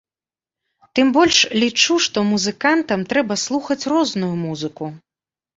Тым больш, лічу, што музыкантам трэба слухаць розную музыку.